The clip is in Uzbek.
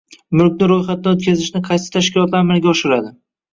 Milkni ro'yxatdan o'tkazishni qaysi tashkilotlar amalga oshiradi?